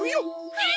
はい！